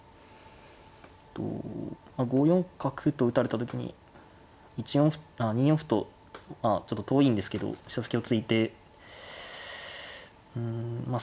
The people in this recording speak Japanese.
５四角と打たれた時に２四歩とちょっと遠いんですけど飛車先を突いてうんまあ